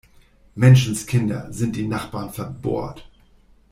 Menschenskinder, sind die Nachbarn verbohrt!